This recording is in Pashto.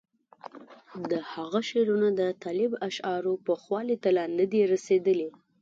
د هغه شعرونه د طالب اشعارو پوخوالي ته لا نه دي رسېدلي.